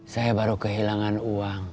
saya baru kehilangan uang